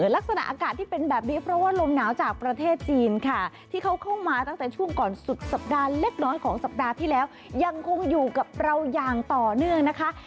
ลักษณะอากาศที่เป็นแบบนี้เพราะว่าลมหนาวจากประเทศจีนค่ะที่เขาเข้ามาตั้งแต่ช่วงก่อนสุดสัปดาห์เล็กน้อยของสัปดาห์ที่แล้วยังคงอยู่กับเราอย่างต่อเนื่องนะคะ